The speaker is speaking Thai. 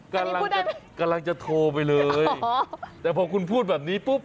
กำลังจะโทรไปเลยแต่พอคุณพูดแบบนี้ปุ๊บ